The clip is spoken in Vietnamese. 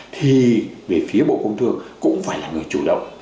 thì về phía bộ công thương cũng phải là người chủ động